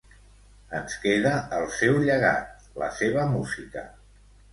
Ens queda el seu llegat, la seva música.